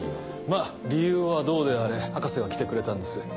まぁ理由はどうであれ博士が来てくれたんです。